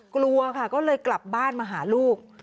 กลัวค่ะก็เลยกลับบ้านมาหาลูก